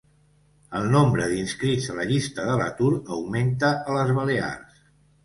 El nombre d'inscrits a la llista de l'atur augmenta a les Balears